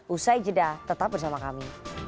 usai jeda tetap bersama kami